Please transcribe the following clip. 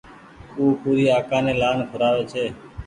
او پوري آڪآ ني لآن کورآوي ڇي